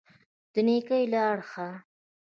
د نېکۍ له اړخه.